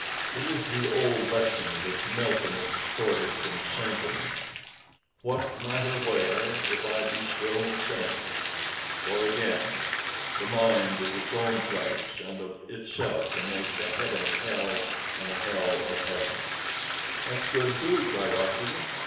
It is the old lesson which Milton extorted from Satan: "'What matter where, if I be still the same ' "Or again: "'The mind is its own place, and of itself Can make a heaven of hell, a hell of heaven '" "That's good too," cried Oxenden.